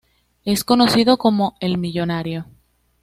Es conocido como "El Millonario".